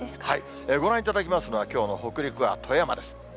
ご覧いただきますのは、きょうの北陸は富山です。